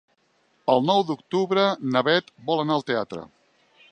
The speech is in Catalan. El nou d'octubre na Bet vol anar al teatre.